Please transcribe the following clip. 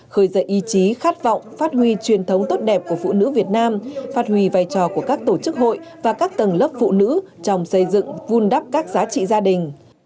khởi dạy ý chí khát vọng phát huy truyền thống tốt đẹp của phụ nữ việt nam phát huy vai trò của các tổ chức hội và các tầng lớp phụ nữ trong xây dựng vun đắp các giá trị gia đình